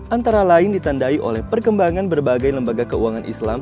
antara lain ditandai oleh perkembangan berbagai lembaga keuangan islam